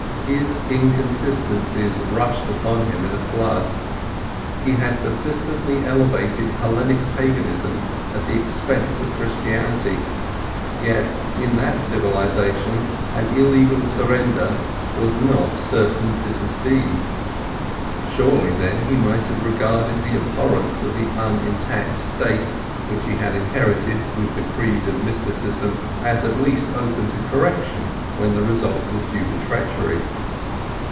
His inconsistencies rushed upon him in a flood. He had persistently elevated Hellenic Paganism at the expense of Christianity; yet in that civilization an illegal surrender was not certain disesteem. Surely then he might have regarded that abhorrence of the un intact state, which he had inherited with the creed of mysticism, as at least open to correction when the result was due to treachery.